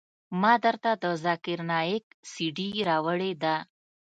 ما درته د ذاکر نايک سي ډي راوړې ده.